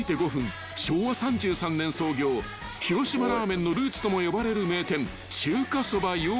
［昭和３３年創業広島ラーメンのルーツとも呼ばれる名店］